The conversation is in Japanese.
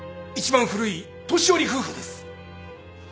一番古い年寄り夫婦です。